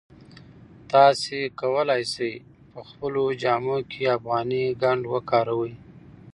تاسي کولای شئ په خپلو جامو کې افغاني ګنډ وکاروئ.